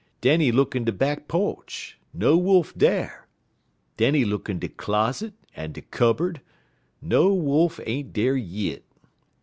Den he look in de back po'ch; no Wolf dar. Den he look in de closet en de cubberd; no Wolf ain't dar yit.